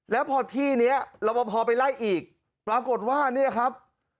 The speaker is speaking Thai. แล้วพอที่นี้รับประพอไปไล่อีกปรากฏว่าเนี่ยครับ